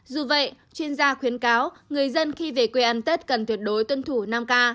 dù vậy chuyên gia khuyến cáo người dân khi về quê ăn tết cần tuyệt đối tuân thủ năm k